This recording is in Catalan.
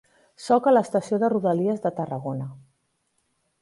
Soc a l'estació de rodalies de Tarragona.